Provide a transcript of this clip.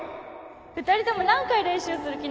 ２人とも何回練習する気なの？